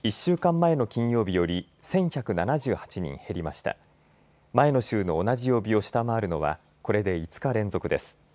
前の週の同じ曜日を下回るのはこれで５日連続です。